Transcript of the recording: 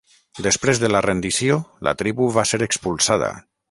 Després de la rendició la tribu va ser expulsada.